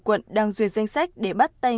quận đang duyệt danh sách để bắt tay